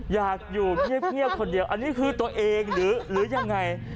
อยากอยู่เงียบคนเดียวอันนี้คือตัวเองหรือยังไง